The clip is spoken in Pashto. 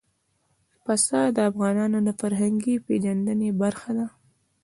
پسه د افغانانو د فرهنګي پیژندنې برخه ده.